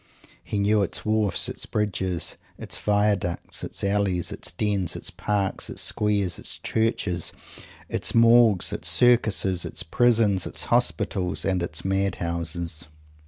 He knew its wharfs, its bridges, its viaducts, its alleys, its dens, its parks, its squares, its churches, its morgues, its circuses, its prisons, its hospitals, and its mad houses.